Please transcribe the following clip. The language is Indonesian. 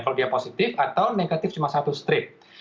kalau dia positif atau negatif cuma satu strip